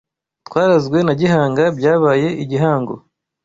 Twarazwe na Gihanga Byabaye igihango